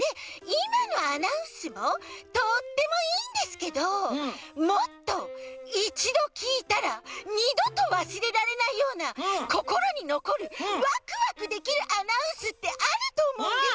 いまのアナウンスもとってもいいんですけどもっといちどきいたらにどとわすれられないようなこころにのこるワクワクできるアナウンスってあるとおもうんです！